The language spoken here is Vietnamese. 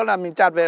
là mình chặt về